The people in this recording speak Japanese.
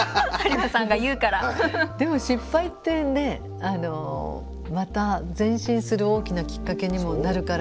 でも失敗ってねまた前進する大きなきっかけにもなるから。